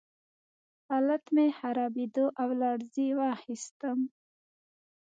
حالت مې خرابېده او لړزې واخیستم